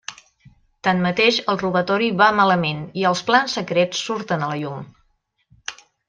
Tanmateix el robatori va malament, i els plans secrets surten a la llum.